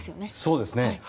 そうですね。